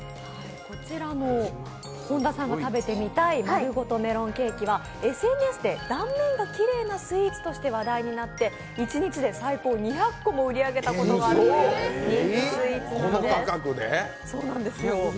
こちらの本田さんが食べてみたいまるごとメロンケーキはＳＮＳで断面がきれいなスイーツとして話題になって、一日で最高２００個も売り上げたことがあるという人気スイーツなんです。